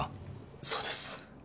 そうです。